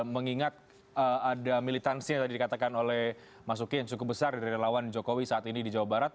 mengingat ada militansi yang tadi dikatakan oleh mas uki yang cukup besar dari relawan jokowi saat ini di jawa barat